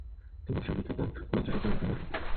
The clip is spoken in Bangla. তিনি জুরিখে তার মাতৃশিক্ষায়নে ফিরে আসেন।